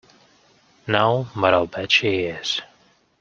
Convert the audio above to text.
No, but I'll bet she is.